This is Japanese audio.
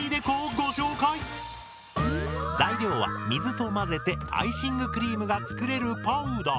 材料は水と混ぜてアイシングクリームが作れるパウダー。